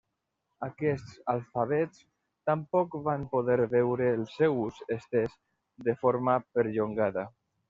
Aquests alfabets tampoc van poder veure el seu ús estès de forma perllongada.